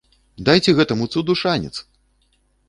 Дайце гэтаму цуду шанец!